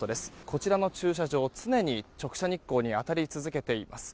こちらの駐車場、常に直射日光に当たり続けています。